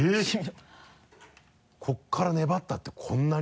ここから粘ったってこんなに？